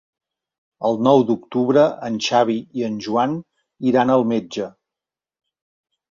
El nou d'octubre en Xavi i en Joan iran al metge.